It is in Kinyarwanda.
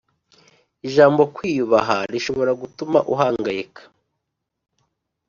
Ijambo kwiyubaha rishobora gutuma uhangayika